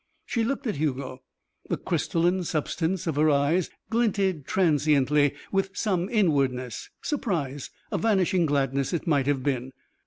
She looked at Hugo. The crystalline substance of her eyes glinted transiently with some inwardness surprise, a vanishing gladness, it might have been.